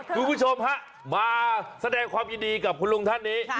คุณผู้ชมฮะมาแสดงความยินดีกับคุณลุงท่านนี้